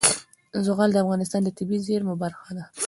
زغال د افغانستان د طبیعي زیرمو برخه ده.